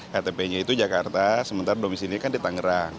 ktp nya itu jakarta sementara domisili kan di tangerang